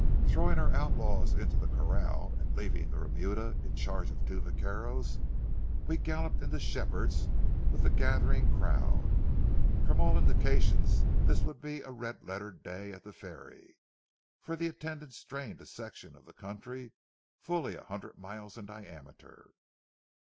Throwing our outlaws into the corral, and leaving the remuda in charge of two vaqueros, we galloped into Shepherd's with the gathering crowd. From all indications this would be a red letter day at the ferry, for the attendance drained a section of country fully a hundred miles in diameter.